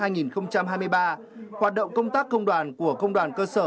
nhiệm kỳ hai nghìn một mươi sáu hai nghìn hai mươi ba hoạt động công tác công đoàn của công đoàn cơ sở